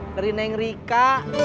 dari neng rika